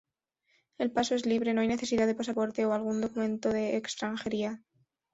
El paso es libre, no hay necesidad de pasaporte o algún documento de extranjería.